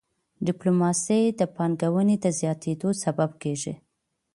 ډيپلوماسي د پانګوني د زیاتيدو سبب کېږي.